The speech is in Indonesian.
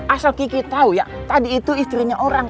asal kiki tahu ya tadi itu istrinya orang